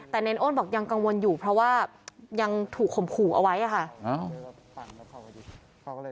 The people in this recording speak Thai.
แต่เนรโอนบอกยังกังวลอยู่เพราะว่ายังถูกข่มขู่เอาไว้ค่ะ